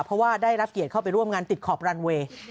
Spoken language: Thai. เพราะว่าได้รับเกียรติเข้าไปร่วมงานติดขอบรันเวย์